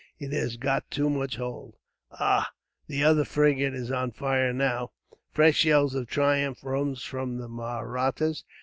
It has got too much hold. "Ah! The other frigate is on fire now." Fresh yells of triumph rose from the Mahrattas.